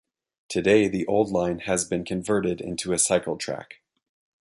Today the old line has been converted into a cycle track.